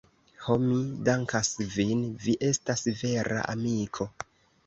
Ho, mi dankas vin, vi estas vera amiko.